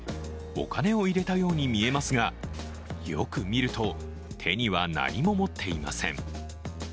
お金を入れたように見えますがよく見ると、手には何も持っていません。